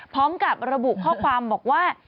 พร้อมกับระบุข้อความบอกว่า